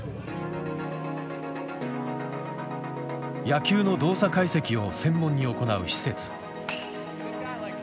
野球の動作解析を専門に行う施設。